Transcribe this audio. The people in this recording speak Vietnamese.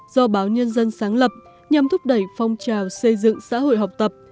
do báo nhân dân sáng lập nhằm thúc đẩy phong trào xây dựng xã hội học tập